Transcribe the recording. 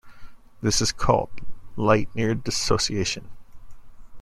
This is called "light-near dissociation".